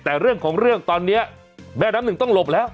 แต่เรื่องของเรื่องตอนนี้แม่น้ำหนึ่งต้องหลบแล้ว